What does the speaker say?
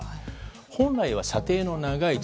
本来は射程の長い地